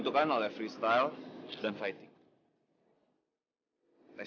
dan akan melewati tiga tes